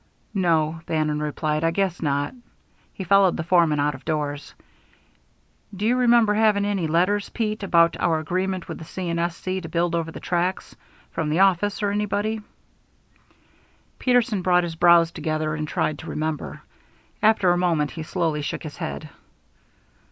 "No," Bannon replied, "I guess not." He followed the foreman out of doors. "Do you remember having any letters, Pete, about our agreement with the C. & S. C. to build over the tracks from the office or anybody?" Peterson brought his brows together and tried to remember. After a moment he slowly shook his head.